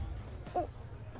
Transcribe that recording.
あっ。